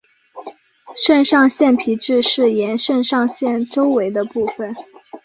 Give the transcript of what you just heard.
肾上腺皮质是沿肾上腺周围的部分。